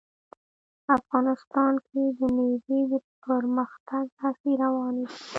افغانستان کې د مېوې د پرمختګ هڅې روانې دي.